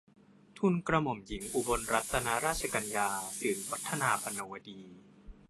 ทูลกระหม่อมหญิงอุบลรัตนราชกัญญา สิริวัฒนาพรรณวดี